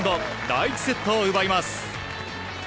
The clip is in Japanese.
第１セットを奪います。